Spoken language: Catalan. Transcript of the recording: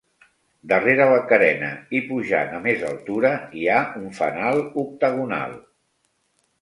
Darrere la carena i pujant a més altura, hi ha un fanal octagonal.